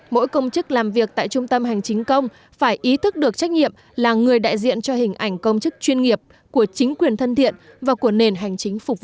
mỗi công chức làm việc tại trung tâm hành chính công phải ý thức được trách nhiệm là người đại diện cho hình ảnh công chức chuyên nghiệp của chính quyền thân thiện và của nền hành chính phục vụ